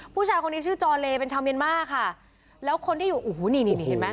ผู้ชายคนนี้ชื่อจอเลเป็นชาวเมียนมาค่ะแล้วคนที่อยู่โอ้โหนี่นี่เห็นไหม